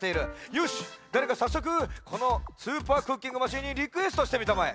よしだれかさっそくこのスーパークッキングマシーンにリクエストしてみたまえ。